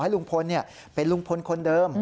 ลุงพลเป็นลุงพลคนเดิม